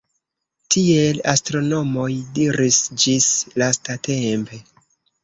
Tiel astronomoj diris ĝis lastatempe.